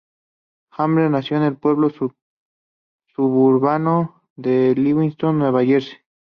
Handler nació en el pueblo suburbano de Livingston, Nueva Jersey.